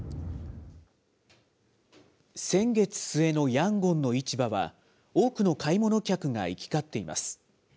先月末のヤンゴンの市場は、多くの買い物客が行き交っています。